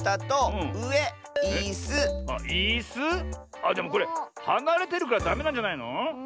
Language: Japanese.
あっでもこれはなれてるからダメなんじゃないの？